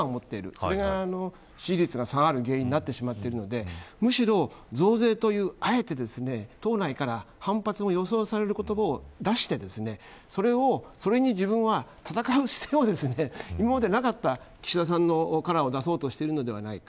それが支持率が下がる原因になってるのでむしろ増税という党内から、あえて反発が予想される言葉を出してそれに自分は戦う姿勢を今までなかった岸田さんのカラーを出そうとしているのではないか。